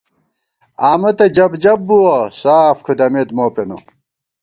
آمہ تہ جَب جَب بُوَہ، ساف کُھدَمېت مو پېنہ